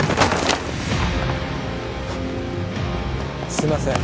すいません。